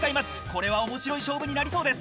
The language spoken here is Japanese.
これは面白い勝負になりそうです。